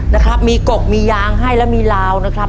นะครับมีกกมียางให้แล้วมีลาวนะครับ